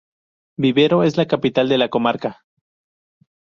Vivero es la capital de la comarca.